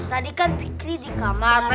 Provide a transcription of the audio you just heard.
tadi kan fikri dikamar